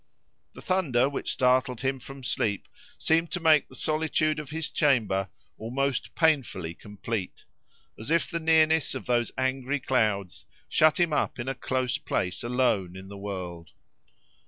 The thunder which startled him from sleep seemed to make the solitude of his chamber almost painfully complete, as if the nearness of those angry clouds shut him up in a close place alone in the world.